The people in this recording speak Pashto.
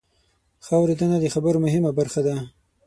ښه اورېدنه د خبرو مهمه برخه ده.